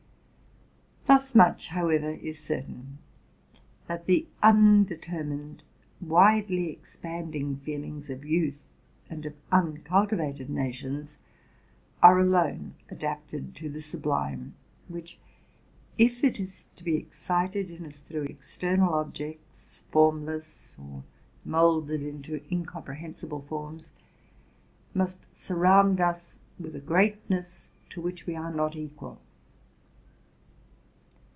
Thus much, however, is certain, that the undetermined, widely ex panding feelings of youth and of uncultivated nations arc alone adapted to the sublime, which, if it is to be excited in us through external objects, formless, or moulded into incom prchensible forms, must surround us with a greatness to which we are not equal.